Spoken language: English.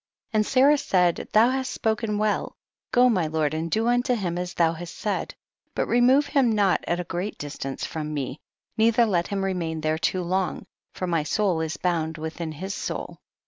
6. And Sarah said, thou hast spo ken well, go my lord and do unto him as thou hast said, but remove him not at a great distance from me, nei ther let him remain there too long, for my soul is bound within his soul.